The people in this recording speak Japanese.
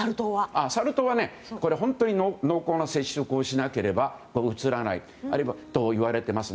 サル痘は本当に濃厚な接触をしなければうつらないといわれています。